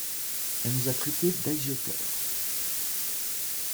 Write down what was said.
Elle nous a traité d'agioteurs.